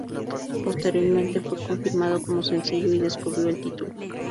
Posteriormente fue confirmado como sencillo y se descubrió el título.